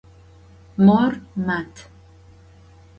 Mor mat.